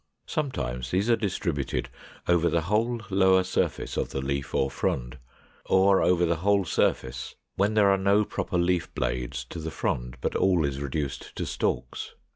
Sometimes these are distributed over the whole lower surface of the leaf or frond, or over the whole surface when there are no proper leaf blades to the frond, but all is reduced to stalks.